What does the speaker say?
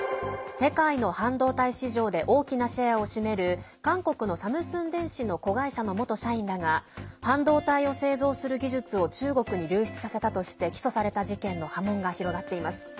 世界の半導体市場で大きなシェアを占める韓国のサムスン電子の子会社の元社員らが半導体を製造する技術を中国に流出させたとして起訴された事件の波紋が広がっています。